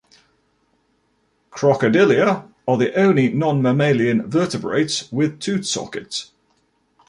Crocodilia are the only non-mammalian vertebrates with tooth sockets.